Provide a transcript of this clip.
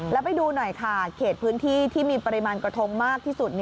แล้วไปดูหน่อยค่ะเขตพื้นที่ที่มีปริมาณกระทงมากที่สุด